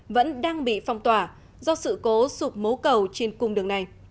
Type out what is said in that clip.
vẫn đang bị phong tỏa do sự cố sụp mố cầu trên cung đường này